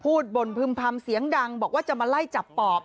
บ่นพึ่มพำเสียงดังบอกว่าจะมาไล่จับปอบ